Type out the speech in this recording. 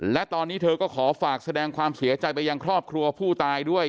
และตอนนี้เธอก็ขอฝากแสดงความเสียใจไปยังครอบครัวผู้ตายด้วย